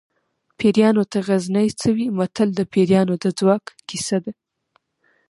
پیریانو ته غزني څه وي متل د پیریانو د ځواک کیسه ده